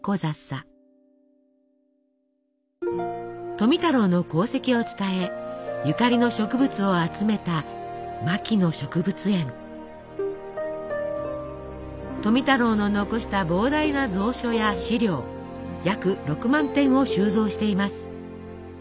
富太郎の功績を伝えゆかりの植物を集めた富太郎の残した膨大な蔵書や資料約６万点を収蔵しています。